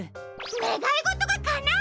ねがいごとがかなう！？